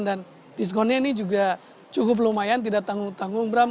diskonnya ini juga cukup lumayan tidak tanggung tanggung bram